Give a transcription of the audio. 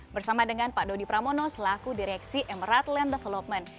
bersama dengan pak dodi pramono selaku direksi emerald land development